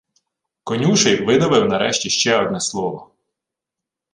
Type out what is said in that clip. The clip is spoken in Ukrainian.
Конюший видавив нарешті ще одне слово: